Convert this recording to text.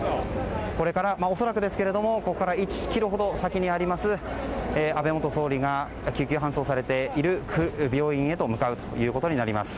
これから恐らくですがここから１ｋｍほど先にあります安倍元総理が救急搬送されている病院へと向かうということになります。